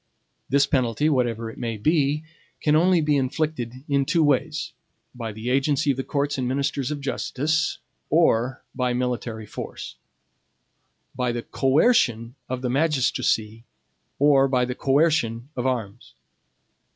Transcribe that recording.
This penalty, whatever it may be, can only be inflicted in two ways: by the agency of the courts and ministers of justice, or by military force; by the COERCION of the magistracy, or by the COERCION of arms.